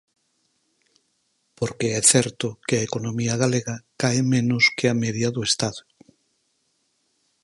Porque é certo que a economía galega cae menos que a media do Estado.